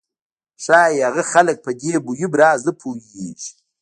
ښایي هغه خلک په دې مهم راز نه پوهېږي